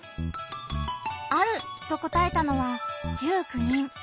「ある」と答えたのは１９人。